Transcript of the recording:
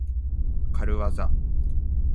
かるわざ。